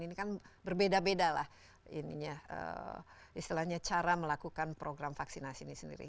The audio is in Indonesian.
ini kan berbeda beda lah istilahnya cara melakukan program vaksinasi ini sendiri